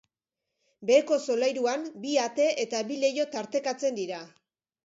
Beheko solairuan, bi ate eta bi leiho tartekatzen dira.